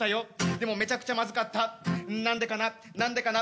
「でもめちゃくちゃまずかったなんでかななんでかな」